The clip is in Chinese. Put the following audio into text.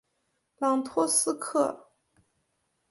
朗托斯克。